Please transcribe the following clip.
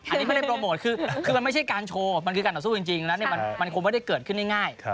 อันนี้ไม่ได้โปรโมทคือมันไม่ใช่การโชว์มันคือการต่อสู้จริงแล้วมันคงไม่ได้เกิดขึ้นง่าย